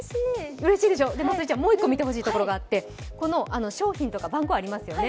うれしいでしょ、もう１個見てほしいところがあってこの商品とかの番号ありますよね。